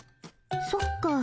そっか。